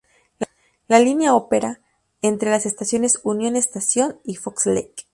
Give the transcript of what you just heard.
La línea opera entre las estaciones Union Station y Fox Lake.